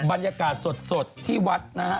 บรรยากาศสดที่วัดนะฮะ